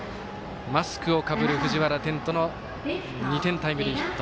マスクをかぶる藤原天斗の２点タイムリーヒット。